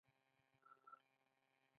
ملګری له انسان سره تل پاتې یاري لري